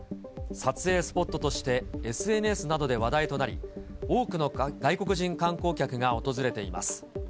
撮影スポットとしてＳＮＳなどで話題となり、多くの外国人観光客が訪れています。